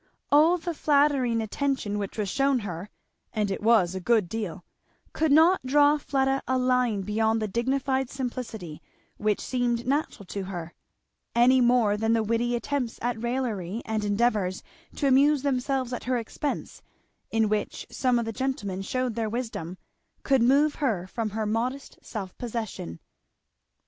All the flattering attention which was shewn her, and it was a good deal, could not draw Fleda a line beyond the dignified simplicity which seemed natural to her; any more than the witty attempts at raillery and endeavours to amuse themselves at her expense, in which some of the gentlemen shewed their wisdom, could move her from her modest self possession.